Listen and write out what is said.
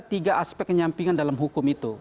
tiga aspek kenyampingan dalam hukum itu